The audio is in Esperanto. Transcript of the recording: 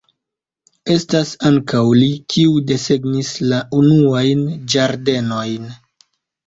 Estas ankaŭ li, kiu desegnis la unuajn ĝardenojn.